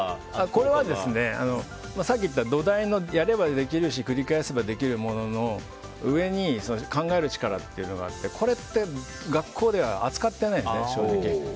これは、さっき言った土台の、やればできるし繰り返せばできるものの上に考える力っていうのがあってこれって学校では扱ってないんです正直。